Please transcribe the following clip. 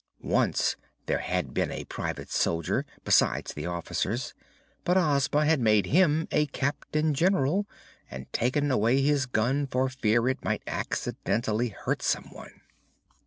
Once there had been a private soldier, besides the officers, but Ozma had made him a Captain General and taken away his gun for fear it might accidentally hurt some one.